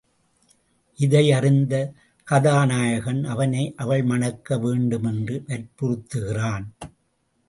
இதை அறிந்த கதா நாயகன் அவனை அவள் மணக்க வேண்டுமென்று வற்புறுத்துகிறான்.